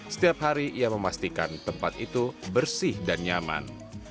setiap hari ia memastikan tempat itu bersih dan nyaman